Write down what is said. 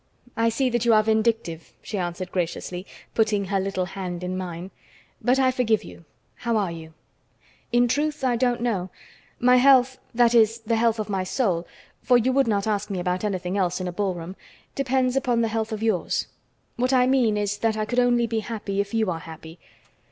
"I see that you are vindictive," she answered graciously, putting her little hand in mine. "But I forgive you. How are you?" "In truth, I don't know. My health that is, the health of my soul, for you would not ask me about anything else in a ballroom depends upon the health of yours. What I mean is that I could only be happy if you are happy.